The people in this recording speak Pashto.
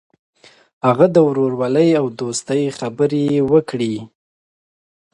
هغه د ورورولۍ او دوستۍ خبرې وکړې.